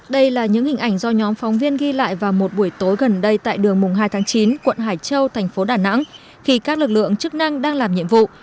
đây là những hình ảnh do nhóm phóng viên ghi lại vào một buổi tối gần đây tại đường mùng hai tháng chín quận hải châu thành phố đà nẵng khi các lực lượng chức năng đang làm nhiệm vụ